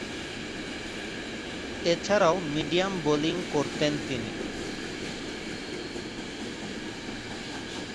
এছাড়াও medium bowling করতেন তিনি।